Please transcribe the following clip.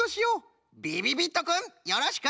びびびっとくんよろしく！